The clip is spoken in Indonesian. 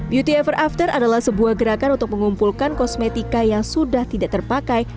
beauty ever after adalah sebuah gerakan untuk mengumpulkan kosmetika yang sudah tidak terpakai